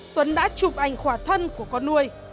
tuấn đã chụp ảnh khỏa thân của con nuôi